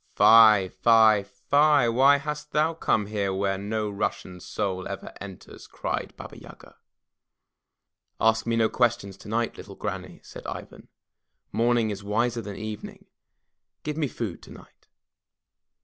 *Tie! fie! fie! why hast thou come here where no Russian soul ever enters? cried Baba Yaga. Ask me no questions tonight, little Granny," said Ivan. "Morning is wiser than evening. Give me food tonight.